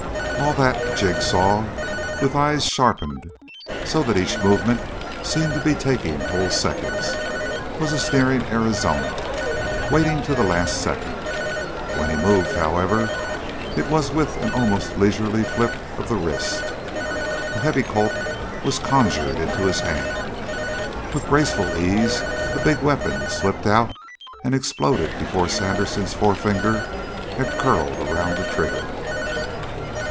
All that Jig saw, with eyes sharpened, so that each movement seemed to be taking whole seconds, was a sneering Arizona, waiting till the last second. When he moved, however, it was with an almost leisurely flip of the wrist. The heavy Colt was conjured into his hand. With graceful ease the big weapon slipped out and exploded before Sandersen's forefinger had curled around the trigger.